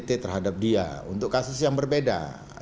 t terhadap dia untuk kasus yang berbeda